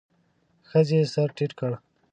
ښځې سر ټيت کړ.